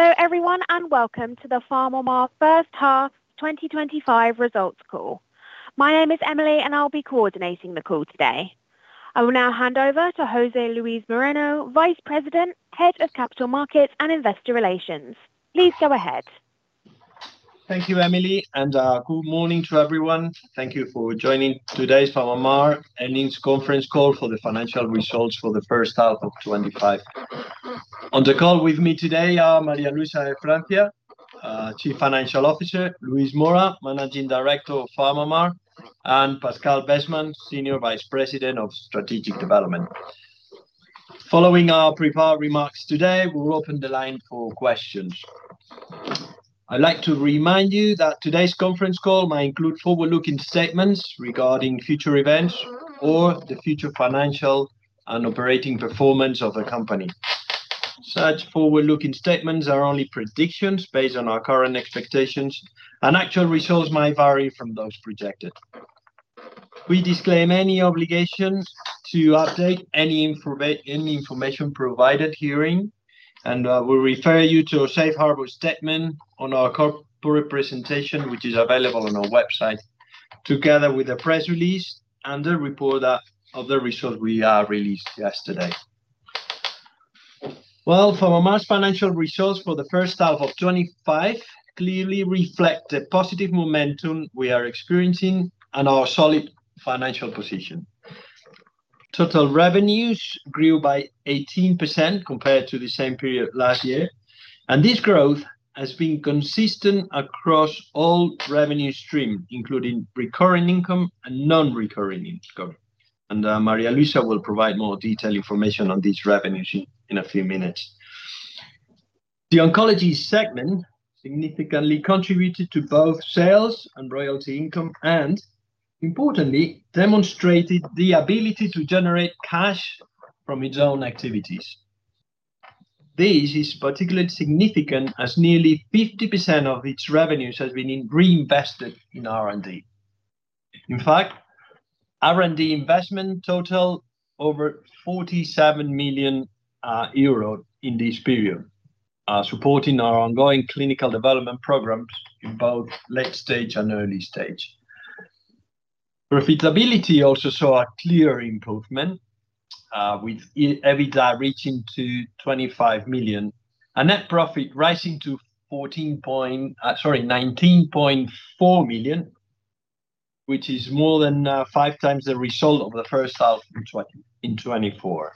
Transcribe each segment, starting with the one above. Hello everyone and welcome to the Pharma Mar first half 2025 results call. My name is Emily and I'll be coordinating the call today. I will now hand over to José Luis Moreno, Vice President, Head of Capital Markets and Investor Relations. Please go ahead. Thank you, Emily, and good morning to everyone. Thank you for joining today's Pharma Mar. earnings conference call for the financial results for the first half of 2025. On the call with me today are María Luisa de Francia, Chief Financial Officer; Luis Mora, Managing Director of Pharma Mar; and Pascal Besman, Senior Vice President of Strategic Development. Following our prepared remarks today, we'll open the line for questions. I'd like to remind you that today's conference call might include forward-looking statements regarding future events or the future financial and operating performance of the company. Such forward-looking statements are only predictions based on our current expectations, and actual results might vary from those projected. We disclaim any obligations to update any information provided during the hearing, and we'll refer you to a safe harbor statement on our corporate presentation, which is available on our website, together with a press release and a report of the results we released yesterday. Pharma Mar's financial results for the first half of 2025 clearly reflect the positive momentum we are experiencing and our solid financial position. Total revenues grew by 18% compared to the same period last year, and this growth has been consistent across all revenue streams, including recurring income and non-recurring income. María Luisa will provide more detailed information on these revenues in a few minutes. The oncology segment significantly contributed to both sales and royalty income and, importantly, demonstrated the ability to generate cash from its own activities. This is particularly significant as nearly 50% of its revenues has been reinvested in R&D. In fact, R&D investment totaled over 47 million euro in this period, supporting our ongoing clinical development program in both late-stage and early-stage. Profitability also saw a clear improvement, with EBITDA reaching 25 million and net profit rising to 19.4 million, which is more than 5x the result of the first half in 2024.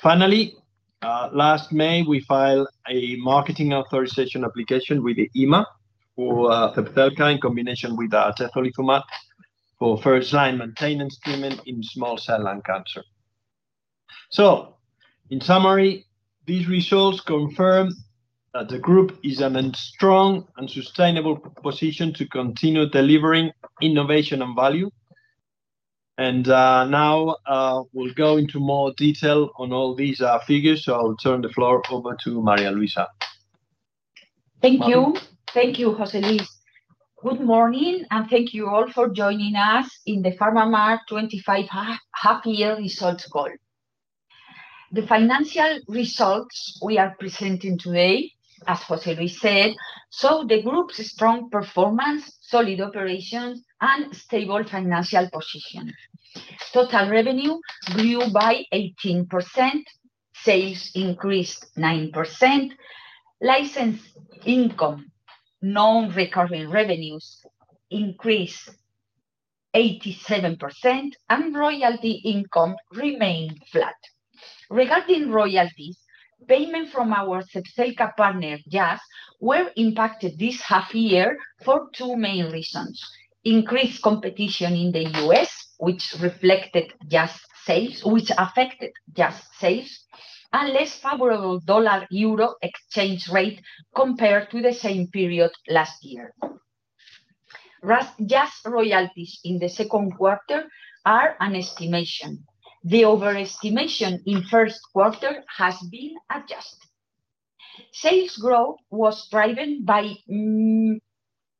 Finally, last May, we filed a marketing authorization application with EMA, for the third time, in combination with [Tetralliformats], for first-line maintenance treatment in small cell lung cancer. In summary, these results confirm that the group is in a strong and sustainable position to continue delivering innovation and value. Now, we'll go into more detail on all these figures, so I'll turn the floor over to María Luisa. Thank you. Thank you, José Luis. Good morning, and thank you all for joining us in the Pharma Mar 2025 half-year results call. The financial results we are presenting today, as José said, show the group's strong performance, solid operations, and stable financial position. Total revenue grew by 18%, sales increased 9%, license income, non-recurring revenues increased 87%, and royalty income remained flat. Regarding royalties, payments from our subsale partner, Janssen, were impacted this half-year for two main reasons: increased competition in the U.S., which affected Janssen sales, and less favorable dollar-euro exchange rate compared to the same period last year. Janssen royalties in the second quarter are an estimation. The overestimation in the first quarter has been adjusted. Sales growth was driven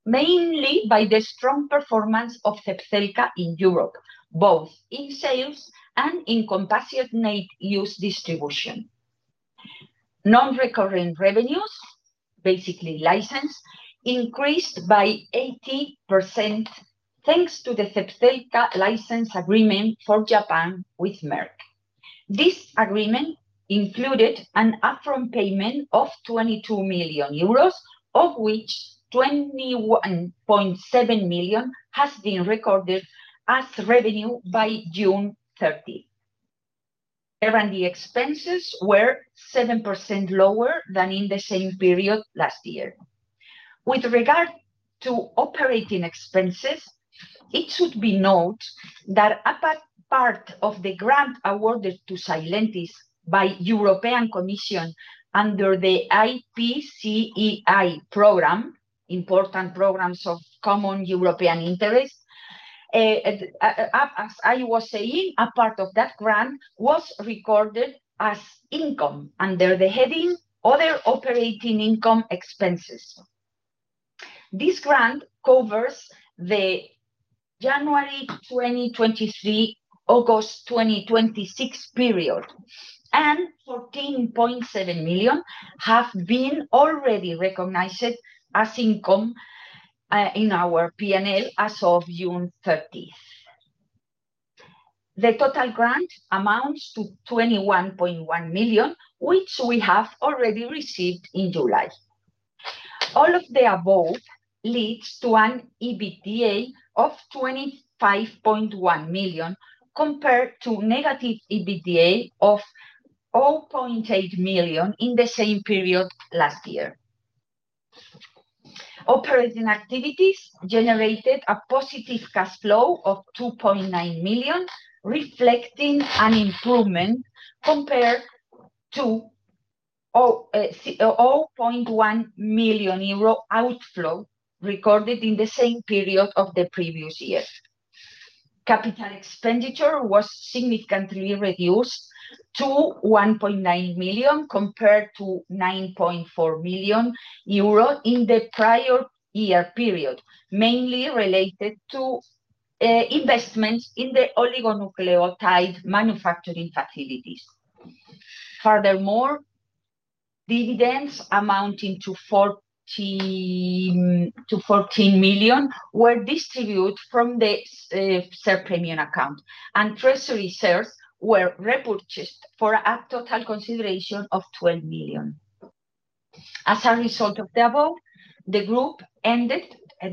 mainly by the strong performance of ZEPZELCA in Europe, both in sales and in compassionate use distribution. Non-recurring revenues, basically license, increased by 80% thanks to the ZEPZELCA license agreement for Japan with Merck. This agreement included an upfront payment of 22 million euros, of which 21.7 million has been recorded as revenue by June 30. R&D expenses were 7% lower than in the same period last year. With regard to operating expenses, it should be noted that a part of the grant awarded to Sylentis by the European Commission under the IPCEI program, Important Projects of Common European Interest, as I was saying, a part of that grant was recorded as income under the heading "Other Operating Income Expenses." This grant covers the January 2023-August 2026 period, and 14.7 million have been already recognized as income in our P&L as of June 30. The total grant amounts to 21.1 million, which we have already received in July. All of the above leads to an EBITDA of 25.1 million compared to a negative EBITDA of 0.8 million in the same period last year. Operating activities generated a positive cash flow of 2.9 million, reflecting an improvement compared to 0.1 million euro outflow recorded in the same period of the previous year. Capital expenditure was significantly reduced to 1.9 million compared to 9.4 million euro in the prior year period, mainly related to investments in the oligonucleotide manufacturing facilities. Furthermore, dividends amounting to 14 million were distributed from the share premium account, and treasury shares were repurchased for a total consideration of 12 million. As a result of the above, the group ended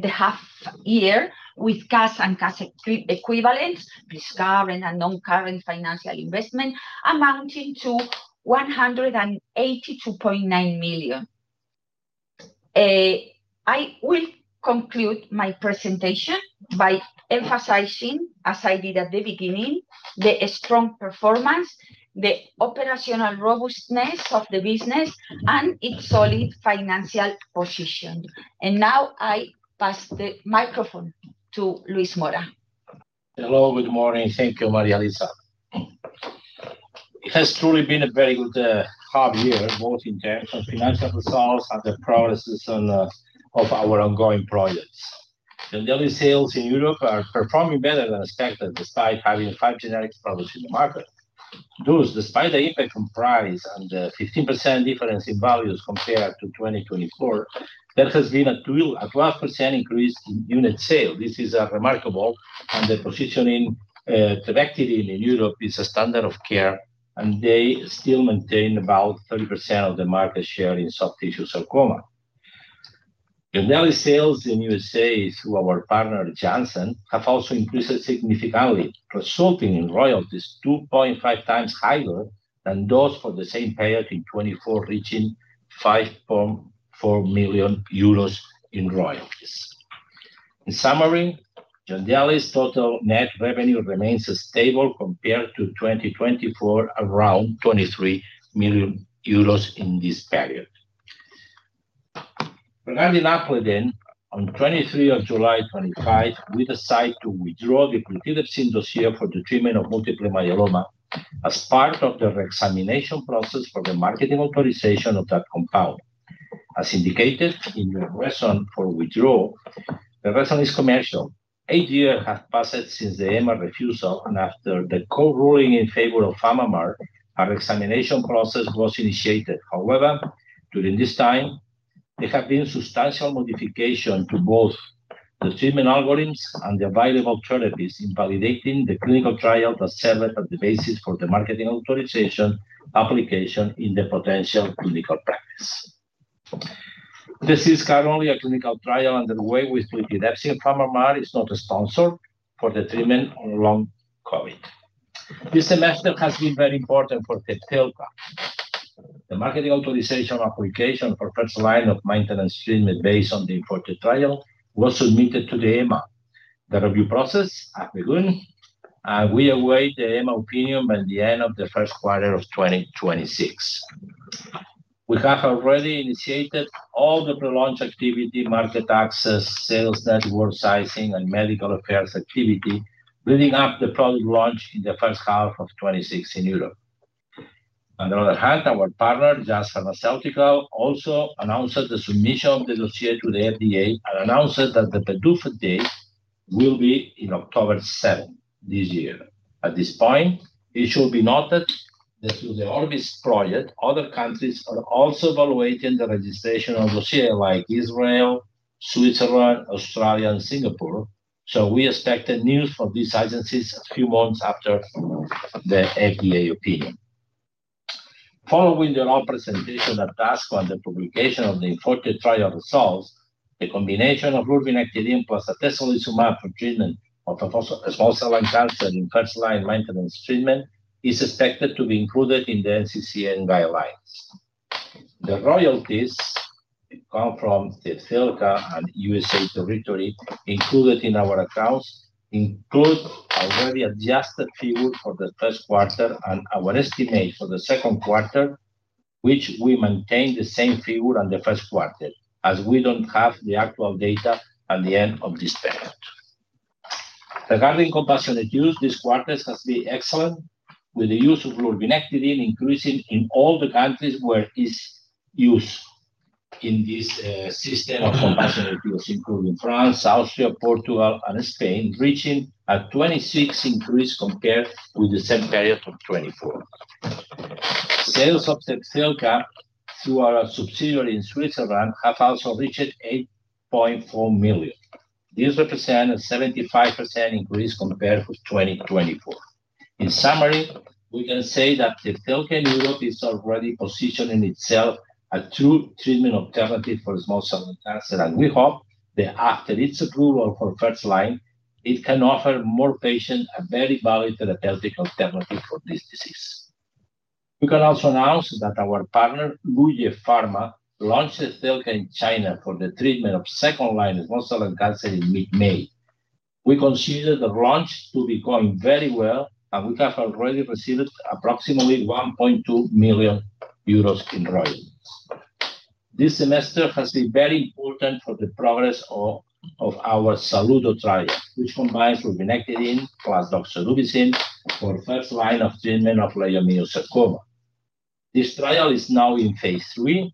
the half-year with cash and cash equivalents, with current and non-current financial investment amounting to 182.9 million. I will conclude my presentation by emphasizing, as I did at the beginning, the strong performance, the operational robustness of the business, and its solid financial position. I now pass the microphone to Luis Mora. Hello. Good morning. Thank you, María Luisa. It has truly been a very good half-year both in terms of financial results and the progress of our ongoing projects. The Sylentis sales in Europe are performing better than expected despite having five generic products in the market. Thus, despite the impact on price and the 15% difference in values compared to 2024, there has been a 12% increase in unit sales. This is remarkable, and the positioning of the product in Europe is a standard of care, and they still maintain about 30% of the market share in soft tissue sarcoma. The Sylentis sales in the U.S. through our partner, Janssen, have also increased significantly, resulting in royalties 2.5x higher than those for the same period in 2024, reaching 5.4 million euros in royalties. In summary, Sylentis total net revenue remains stable compared to 2024, around 23 million euros in this period. We're having an update on July 23, 2025, with a site to withdraw the plitidepsin dossier for the treatment of multiple myeloma as part of the re-examination process for the marketing authorization of that compound. As indicated in the reason for withdrawal, the reason is commercial. Eight years have passed since the EMA refusal, and after the court ruling in favor of Pharma Mar, a re-examination process was initiated. However, during this time, there have been substantial modifications to both the treatment algorithms and the available therapies in validating the clinical trial that serves as the basis for the marketing authorization application in the potential clinical practice. There is currently a clinical trial underway with plitidepsin. Pharma Mar. is not a sponsor for the treatment on Long COVID. This investment has been very important for ZEPZELCA. The marketing authorization application for the first line of maintenance treatment based on the IMPORTA trial was submitted to the EMA. The review process has begun, and we await the EMA opinion by the end of the first quarter of 2026. We have already initiated all the pre-launch activity, market access, sales network sizing, and medical affairs activity, leading up to the product launch in the first half of 2026 in Europe. On the other hand, our partner, Janssen, also announced the submission of the dossier to the FDA and announced that the PDUFA date will be on October 7th this year. At this point, it should be noted that through the ORBIS project, other countries are also evaluating the registration of dossiers like Israel, Switzerland, Australia, and Singapore. We expect the news from these agencies a few months after the FDA opinion. Following the representation at ASCO and the publication of the important trial results, the combination of lurbinectedin plus atezolizumab for treatment of small cell lung cancer in first-line maintenance treatment is expected to be included in the NCCN guidelines. The royalties come from ZEPZELCA and U.S. territory included in our accounts include already adjusted figures for the first quarter and our estimate for the second quarter, which we maintain the same figure in the first quarter, as we don't have the actual data at the end of this period. Regarding compassionate use, this quarter has been excellent, with the use of lurbinectedin increasing in all the countries where it is used in this system of compassionate use, including France, Austria, Portugal, and Spain, reaching a 26% increase compared with the same period of 2023. Sales of ZEPZELCA through our subsidiary in Switzerland have also reached 8.4 million. This represents a 75% increase compared to 2024. In summary, we can say that ZEPZELCA in Europe is already positioning itself as a true treatment alternative for small cell lung cancer, and we hope that after its approval for first line, it can offer more patients a very valuable and effective alternative for this disease. We can also announce that our partner, WuXi Pharma, launches ZEPZELCA in China for the treatment of second-line small cell lung cancer in mid-May. We consider the launch to be going very well, and we have already received approximately 1.2 million euros in royalties. This semester has been very important for the progress of our SaLuDo trial, which combines lurbinectedin plus doxorubicin for the first line of treatment of leiomyosarcoma. This trial is now in phase III.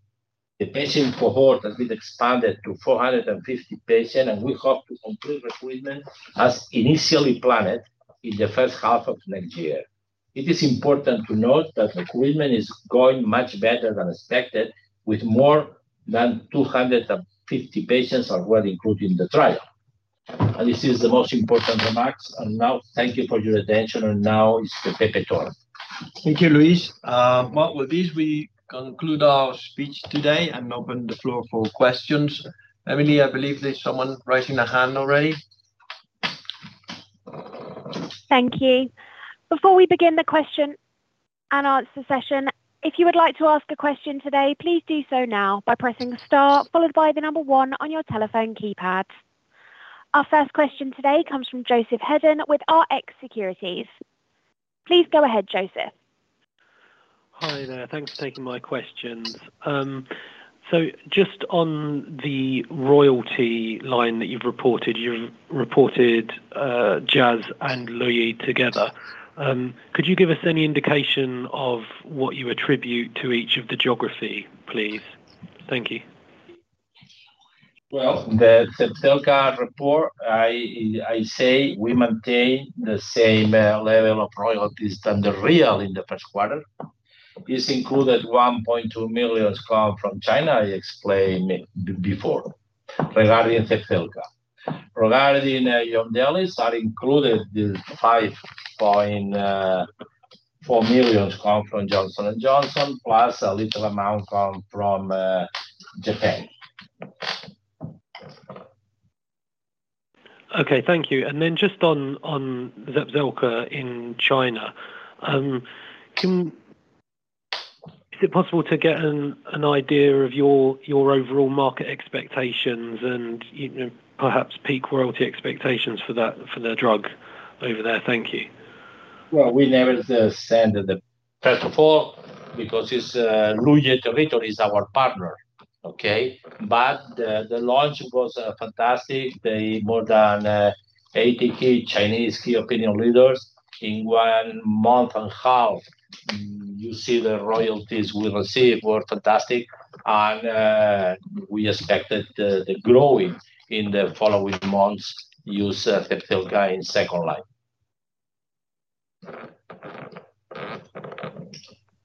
The patient cohort has been expanded to 450 patients, and we hope to complete recruitment as initially planned in the first half of next year. It is important to note that recruitment is going much better than expected, with more than 250 patients already included in the trial. This is the most important remark. Thank you for your attention. Now is the Pepe turn. Thank you, Luis. With this, we conclude our speech today and open the floor for questions. Emily, I believe there's someone raising a hand already. Thank you. Before we begin the question and answer session, if you would like to ask a question today, please do so now by pressing the star followed by the number one on your telephone keypad. Our first question today comes from Joseph Hedden with RX Securities. Please go ahead, Joseph. Hi there. Thanks for taking my questions. On the royalty line that you've reported, you've reported Janssen and Luis Mora together. Could you give us any indication of what you attribute to each of the geography, please? Thank you. The ZEPZELCA report, I say we maintain the same level of royalties than the real in the first quarter. This included 1.2 million from China, I explained before, regarding ZEPZELCA. Regarding [delis], I included the 5.4 million from Janssen, plus a little amount from Japan. Thank you. On the ZEPZELCA in China, is it possible to get an idea of your overall market expectations and perhaps peak royalty expectations for their drug over there? Thank you. We never send the first of all, because WuXi is our partner. The launch was fantastic. More than 80 Chinese key opinion leaders in one month and 1/2, you see the royalties we received were fantastic, and we expected the growing in the following months to use ZEPZELCA in second line.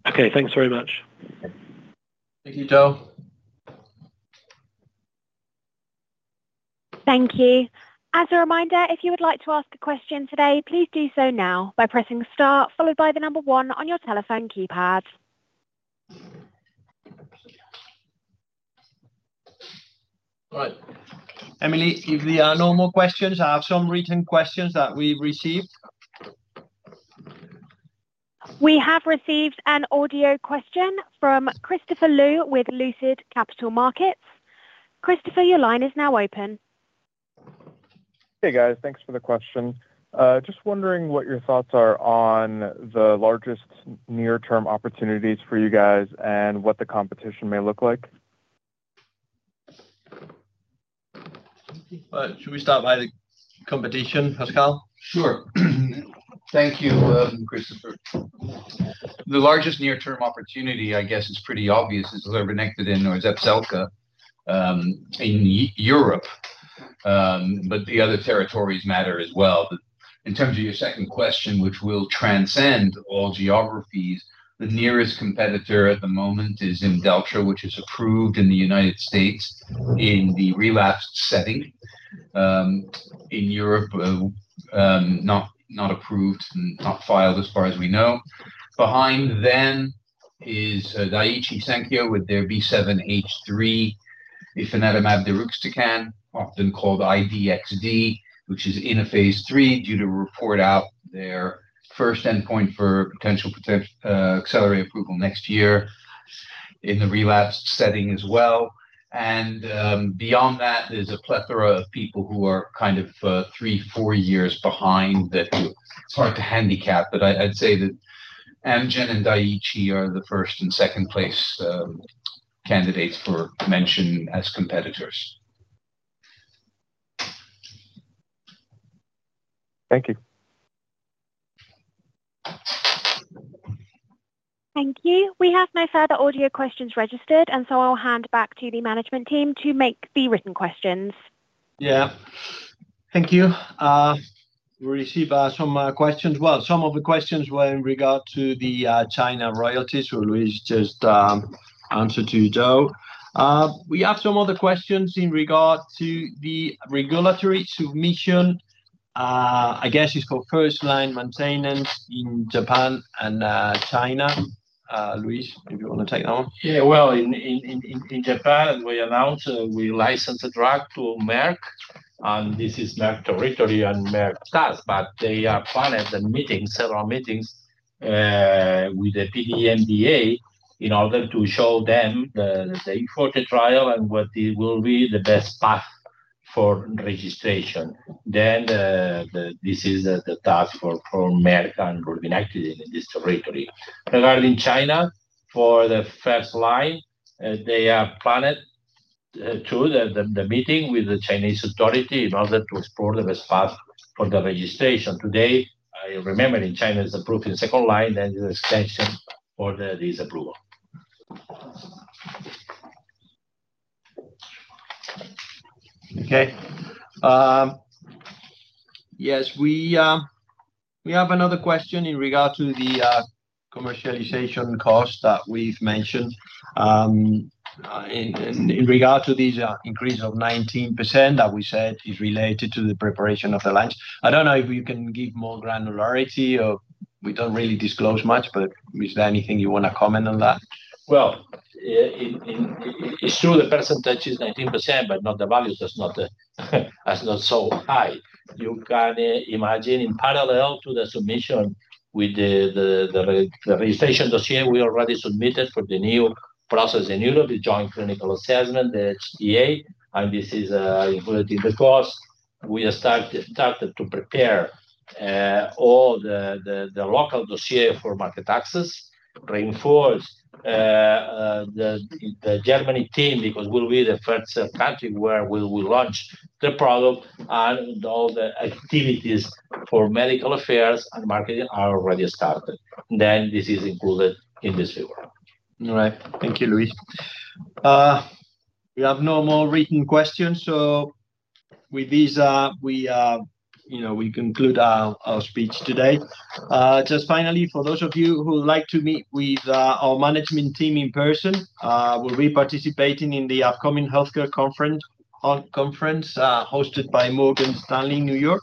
Okay, thanks very much. You too. Thank you. As a reminder, if you would like to ask a question today, please do so now by pressing the star followed by the number one on your telephone keypad. Emily, if there are no more questions, I have some written questions that we've received. We have received an audio question from Christopher Liu with Lucid Capital Markets. Christopher, your line is now open. Hey, guys. Thanks for the question. Just wondering what your thoughts are on the largest near-term opportunities for you guys and what the competition may look like. Should we start by the competition, Pascal? Sure. Thank you, Christopher. The largest near-term opportunity, I guess, is pretty obvious. It's lurbinectedin or ZEPZELCA in Europe. The other territories matter as well. In terms of your second question, which will transcend all geographies, the nearest competitor at the moment is [Depsha], which is approved in the U.S. in the relapsed setting. In Europe, not approved and not filed as far as we know. Behind that is Daiichi Sankyo with their B7-H3 ifinatamab deruxtecan, often called I-DXd, which is in a phase III due to report out their first endpoint for potential accelerated approval next year in the relapsed setting as well. There is a plethora of people who are kind of three, four years behind that it's hard to handicap. I'd say that Amgen and Daiichi are the first and second-place candidates for mention as competitors. Thank you. Thank you. We have no further audio questions registered, and I'll hand back to the management team to make the written questions. Thank you. We received some questions. Some of the questions were in regard to the China royalties, so we just answered to you, Joe. We have some other questions in regard to the regulatory submission. I guess it's called first-line maintenance in Japan and China. Luis, if you want to take that one. In Japan, as we announced, we license the drug to Merck, and this is Merck territory and Merck TASP, but they are planning a meeting, several meetings with the PMDA in order to show them the imported trial and what will be the best path for registration. This is the task for Merck and lurbinectedin in this territory. Regarding China, for the first line, they are planning to have the meeting with the Chinese authority in order to explore the best path for the registration. Today, I remember in China, it's approved in the second line, then the session for the disapproval. We have another question in regard to the commercialization cost that we've mentioned in regard to this increase of 19% that we said is related to the preparation of the lines. I don't know if you can give more granularity or we don't really disclose much, but is there anything you want to comment on that? It's true the percentage is 19%, but the values are not so high. You can imagine in parallel to the submission with the registration dossier we already submitted for the new process in Europe, the joint clinical assessment, the HCA, and this is a very different cost. We started to prepare all the local dossiers for market access, reinforced the Germany team because it will be the first country where we will launch the product, and all the activities for medical affairs and marketing are already started. This is included in the figure. Thank you, Luis. We have no more written questions. With this, we conclude our speech today. Just finally, for those of you who would like to meet with our management team in person, we'll be participating in the upcoming healthcare conference hosted by Morgan Stanley, New York,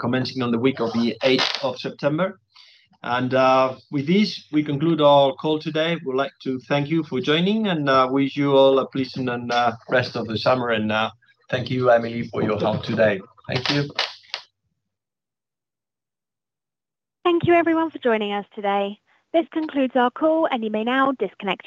commencing on the week of the 8th of September. With this, we conclude our call today. We'd like to thank you for joining and wish you all a pleasant rest of the summer. Thank you, Emily, for your help today. Thank you. Thank you, everyone, for joining us today. This concludes our call, and you may now disconnect.